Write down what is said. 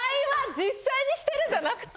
実際にしてるじゃなくて。